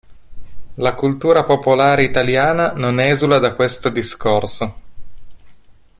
La cultura popolare italiana non esula da questo discorso.